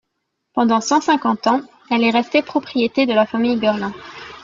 Pendant cent cinquante ans, elle est restée propriété de la famille Guerlain.